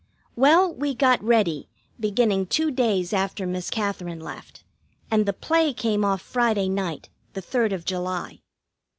Well, we got ready, beginning two days after Miss Katherine left, and the play came off Friday night, the third of July.